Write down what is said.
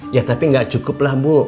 ya tapi nggak cukup lah bu